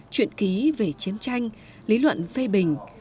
chuyện ký về chiến tranh lý luận phê bình